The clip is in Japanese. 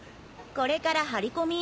これから張り込み？